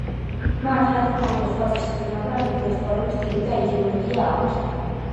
მათ რა თქმა უნდა სხვა წესები მაგრამ იგივე ცხოვრების სტილი და იდეოლოგია აქვთ.